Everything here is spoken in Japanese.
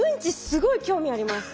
すごい興味あります。